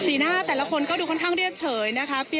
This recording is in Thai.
หน้าแต่ละคนก็ดูค่อนข้างเรียบเฉยนะคะ